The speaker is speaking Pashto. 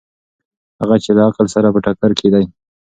هغه چې له عقل سره په ټکر کې دي.